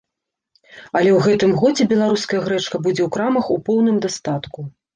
Але ў гэтым годзе беларуская грэчка будзе ў крамах у поўным дастатку.